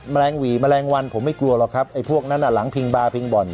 แมลงหวีแมลงวันผมไม่กลัวหรอกครับไอ้พวกนั้นหลังพิงบาร์พิงบ่อน